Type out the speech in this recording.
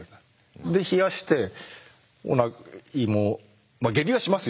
で冷やして胃も下痢はしますよ